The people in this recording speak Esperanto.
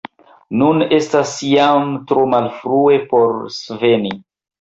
Nun estas jam tro malfrue, por sveni.